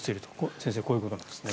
先生、こういうことなんですね。